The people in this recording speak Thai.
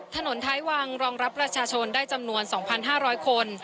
ถนนท้ายวังรองรับประชาชนได้จำนวน๒๕๐๐คน